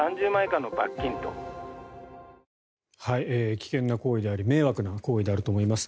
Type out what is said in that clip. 危険な行為であり迷惑な行為であると思います。